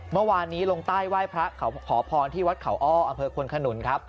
เมื่อวานนี้ลงใต้ไหว้พระขอพรที่วัดเขาอ้ออำเภอควนขนุนครับ